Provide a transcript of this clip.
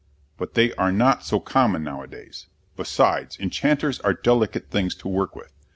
But they are not so common nowadays. Besides, enchanters are delicate things to work with.